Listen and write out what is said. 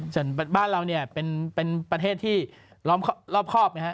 ส่วนบ้านเราเนี่ยเป็นประเทศที่รอบครอบไหมฮะ